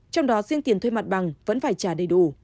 trong đó riêng tiền thuê mặt bằng vẫn phải trả đầy đủ